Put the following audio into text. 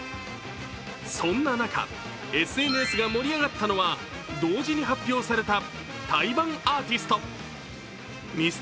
そんな中、ＳＮＳが盛り上がったのは同時に発表された対バンアーティスト。